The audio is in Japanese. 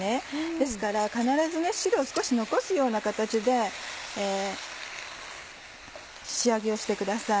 ですから必ず汁を少し残すような形で仕上げをしてください。